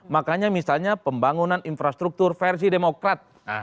makanya misalnya pembangunan infrastruktur versi demokrat